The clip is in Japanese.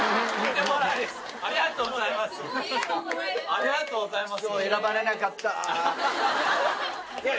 ありがとうございます。